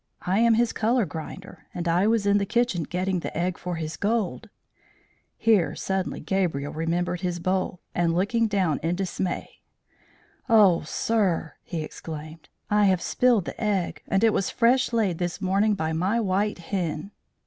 I am his colour grinder, and I was in the kitchen getting the egg for his gold," here suddenly Gabriel remembered his bowl, and looking down in dismay, "Oh, sir," he exclaimed, "I have spilled the egg, and it was fresh laid this morning by my white hen!"